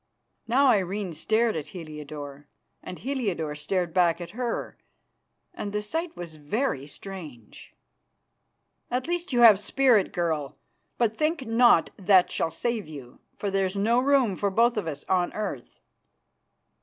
Now Irene stared at Heliodore, and Heliodore stared back at her, and the sight was very strange. "At least you have spirit, girl. But think not that shall save you, for there's no room for both of us on earth."